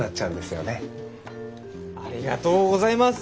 ありがとうございます。